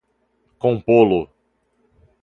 compô-lo